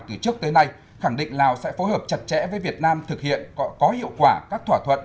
từ trước tới nay khẳng định lào sẽ phối hợp chặt chẽ với việt nam thực hiện có hiệu quả các thỏa thuận